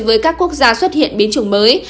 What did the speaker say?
với các quốc gia xuất hiện biến chủng mới